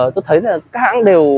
tôi thấy là các hãng đều